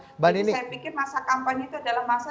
jadi saya pikir masa kampanye itu adalah masa